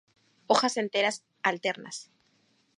Hojas enteras, alternas.